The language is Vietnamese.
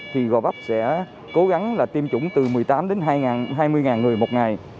thì gò vấp sẽ cố gắng tiêm chủng từ một mươi tám hai mươi người một ngày